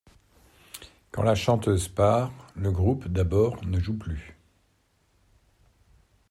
Quand le chanteuse part, le groupe d'abord ne joue plus.